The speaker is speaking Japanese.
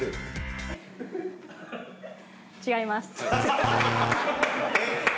違います。